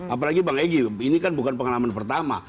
apalagi bang egy ini kan bukan pengalaman pertama